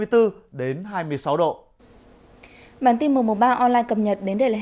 bản tin một trăm một mươi ba online cập nhật đến đây là hết xin kính chào tạm biệt và hẹn gặp lại